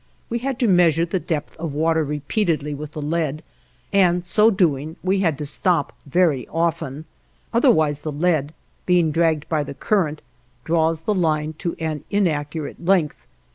We had to measure the depth of water repeatedly with the lead, and so doing we had to stop very often; otherwise the lead being dragged by the current draws the line to an inaccurate length.